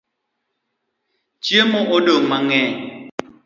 Chiemo odong mangeny